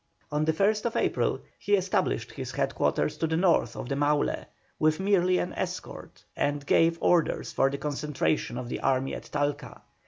On the 1st April he established his headquarters to the north of the Maule, with merely an escort, and gave orders for the concentration of the army at Talca.